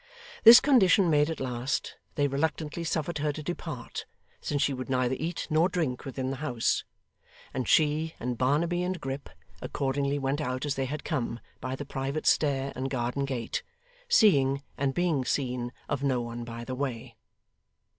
This condition made at last, they reluctantly suffered her to depart, since she would neither eat nor drink within the house; and she, and Barnaby, and Grip, accordingly went out as they had come, by the private stair and garden gate; seeing and being seen of no one by the way.